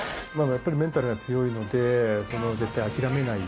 やっぱりメンタルが強いので、絶対諦めない。